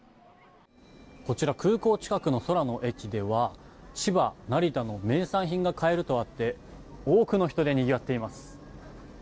こちら空港近くの空の駅では千葉・成田の名産品が買えるとあって多くの人でにぎわっています。